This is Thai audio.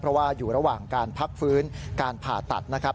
เพราะว่าอยู่ระหว่างการพักฟื้นการผ่าตัดนะครับ